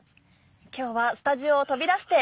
今日はスタジオを飛び出して